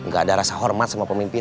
gak ada rasa hormat sama pemimpin